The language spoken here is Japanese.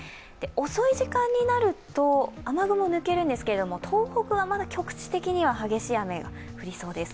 遅い時間になると雨雲が抜けるんですけれども、東北がまだ局地的には激しい雨、降りそうです。